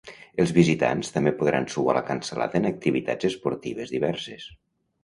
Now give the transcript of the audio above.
Els visitants també podran suar la cansalada en activitats esportives diverses.